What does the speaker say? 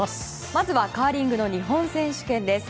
まずはカーリングの日本選手権です。